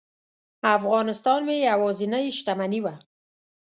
افغانستان مې یوازینۍ شتمني وه.